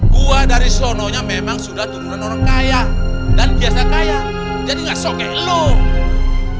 gua dari sononya memang sudah turunan orang kaya dan biasa kaya jadi gak soke lo